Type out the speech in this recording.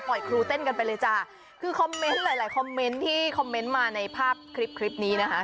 ครูเต้นกันไปเลยจ้ะคือคอมเมนต์หลายหลายคอมเมนต์ที่คอมเมนต์มาในภาพคลิปคลิปนี้นะคะ